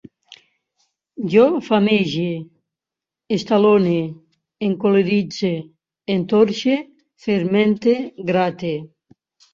Jo famege, estalone, encoleritze, entorxe, fermente, grate